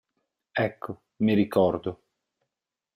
Ecco, mi ricordo.